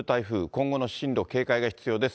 今後の進路、警戒が必要です。